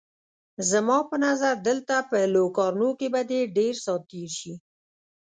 زما په نظر دلته په لوکارنو کې به دې ډېر ساعت تېر شي.